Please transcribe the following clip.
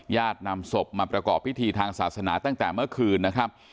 นำศพมาประกอบพิธีทางศาสนาตั้งแต่เมื่อคืนนะครับ